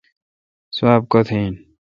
سواب کوتھ این۔